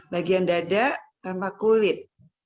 bagian dada tanpa kulit